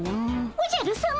おじゃるさま。